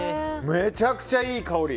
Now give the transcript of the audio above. めちゃくちゃいい香り。